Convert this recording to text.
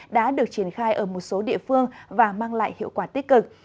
đã được triển khai ở một số địa phương và mang lại hiệu quả tích cực